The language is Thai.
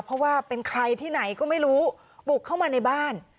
เพราะว่าเป็นใครที่ไหนก็ไม่รู้บุกเข้ามาในบ้าน